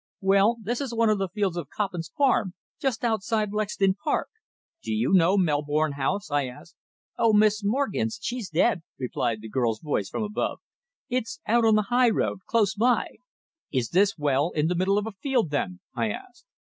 "Well, this is one of the fields of Coppin's Farm, just outside Lexden Park." "Do you know Melbourne House?" I asked. "Oh, yes. Miss Morgan's. She's dead," replied the girl's voice from above. "It's out on the high road close by." "Is this well in the middle of a field, then?" I asked.